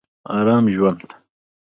ارام ژوند